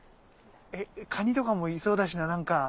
カニとかもいそうだしななんか。